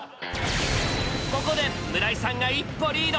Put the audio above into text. ここで村井さんが一歩リード！